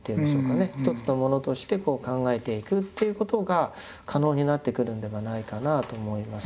一つのものとして考えていくっていうことが可能になってくるんではないかなあと思います。